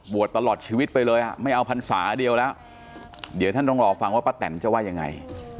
ตลอดชีวิตไปเลยไม่เอาพรรษาเดียวแล้วเดี๋ยวท่านต้องรอฟังว่าป้าแตนจะว่ายังไง